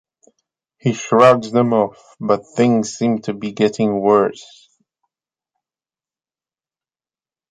He shrugs them off, but things seem to be getting worse.